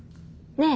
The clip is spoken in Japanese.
ねえ！